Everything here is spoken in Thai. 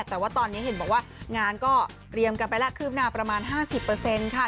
แต่ว่าตอนนี้เห็นบอกว่างานก็เตรียมกันไปแล้วคืบหน้าประมาณ๕๐ค่ะ